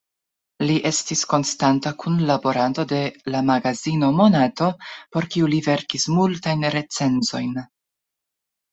Li estis konstanta kunlaboranto de la magazino "Monato", por kiu li verkis multajn recenzojn.